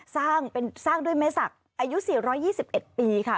สร้างด้วยเมษักอายุ๔๒๑ปีค่ะ